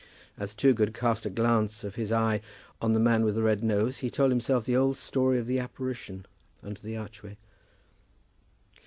As Toogood cast a glance of his eye on the man with the red nose, he told himself the old story of the apparition under the archway.